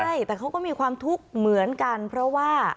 ใช่แต่เขาก็มีความทุกข์เหมือนกันเพราะว่า